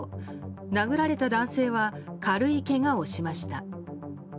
殴られた男性は軽いけがをしました。